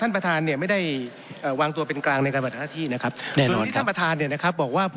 ประท้วงท่านประธานครับ